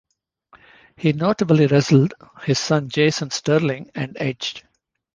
He notably wrestled his son Jason Sterling and Edge.